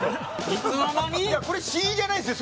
これ試飲じゃないすよ